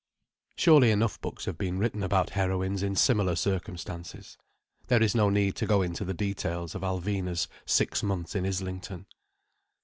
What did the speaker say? Surely enough books have been written about heroines in similar circumstances. There is no need to go into the details of Alvina's six months in Islington.